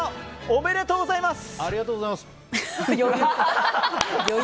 おめでとうございます！